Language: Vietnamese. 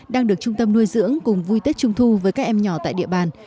đang được trung tâm nuôi dưỡng cùng vui tết trung thu với các em nhỏ tại địa bàn